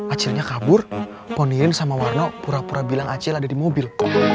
akhirnya kabur ponirin sama warna pura pura bilang acil ada di mobil